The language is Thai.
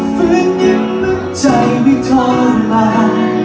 ฟื้นยิ้มหัวใจไม่ทนมา